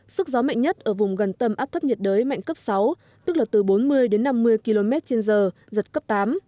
sức gió mạnh nhất ở vùng gần tâm áp thấp nhiệt đới mạnh cấp sáu tức là từ bốn mươi đến năm mươi km trên giờ giật cấp tám